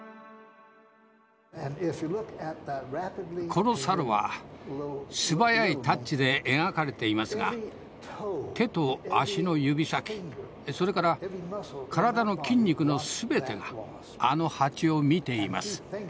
この猿は素早いタッチで描かれていますが手と足の指先それから体の筋肉の全てがあの蜂を見ています。